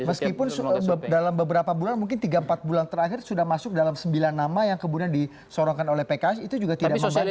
meskipun dalam beberapa bulan mungkin tiga empat bulan terakhir sudah masuk dalam sembilan nama yang kemudian disorongkan oleh pks itu juga tidak membandingkan